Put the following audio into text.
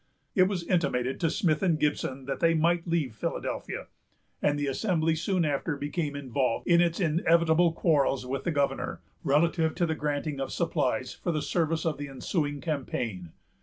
It was intimated to Smith and Gibson that they might leave Philadelphia; and the Assembly soon after became involved in its inevitable quarrels with the governor, relative to the granting of supplies for the service of the ensuing campaign.